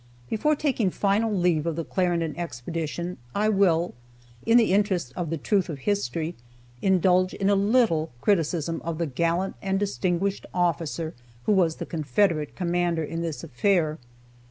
Before taking final leave of the Clarendon expedition I will, in the interest of the truth of history, indulge in a little criticism of the gallant and distinguished officer who was the Confederate commander in this affair.